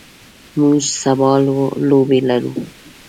موږ سبا لوبې لرو.